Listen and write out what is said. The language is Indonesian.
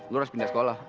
lo harus pindah sekolah